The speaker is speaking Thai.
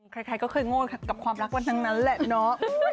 ใครก็เคยโง่กับความรักมันทั้งนั้นแหละเนาะ